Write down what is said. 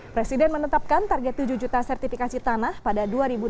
presiden menetapkan target tujuh juta sertifikasi tanah pada dua ribu dua puluh